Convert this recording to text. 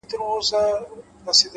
اراده مسیر بدلوي’